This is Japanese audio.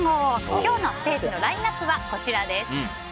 今日のステージのラインアップはこちらです。